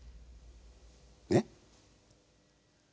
えっ？